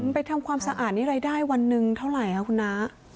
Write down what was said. ทำความสะอาดนี่รายได้วันหนึ่งเท่าไหร่คะคุณน้า